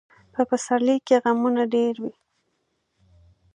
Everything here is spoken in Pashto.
په پسرلي کې غمونه ډېر وي.